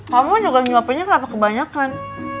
kamu juga nyuapinnya kenapa kebanyakan